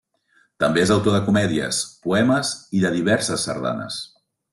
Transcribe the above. També és autor de comèdies, poemes i de diverses sardanes.